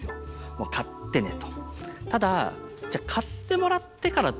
もう買ってねと。